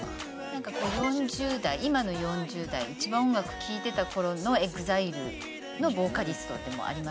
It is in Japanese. なんか４０代今の４０代一番音楽聴いてた頃のＥＸＩＬＥのボーカリストでもありますからね。